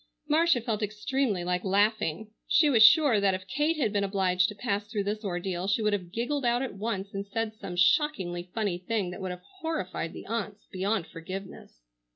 Marcia felt extremely like laughing. She was sure that if Kate had been obliged to pass through this ordeal she would have giggled out at once and said some shockingly funny thing that would have horrified the aunts beyond forgiveness.